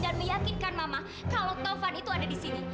dan meyakinkan mama kalau taufan itu ada di sini